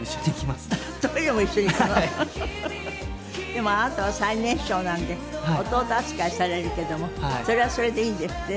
でもあなたは最年少なので弟扱いされるけどもそれはそれでいいんですって？